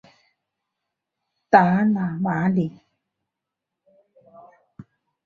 达讷马里。